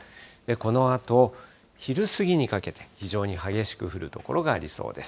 このあと昼過ぎにかけて、非常に激しく降る所がありそうです。